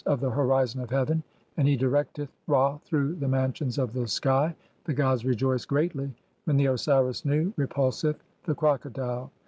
of the horizon of heaven, and he directeth (16) Ra "through the mansions of the sky ; the gods rejoice greatly "when the Osiris Nu repulseth the Crocodile.